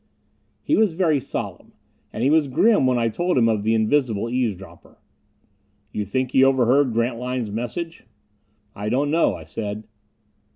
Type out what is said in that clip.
He was very solemn. And he was grim when I told him of the invisible eavesdropper. "You think he overheard Grantline's message?" "I don't know," I said.